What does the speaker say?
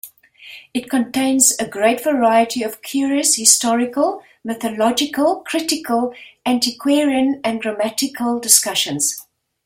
It contains a great variety of curious historical, mythological, critical, antiquarian and grammatical discussions.